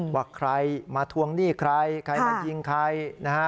ว่าใครมาทวงหนี้ใครใครมายิงใครนะฮะ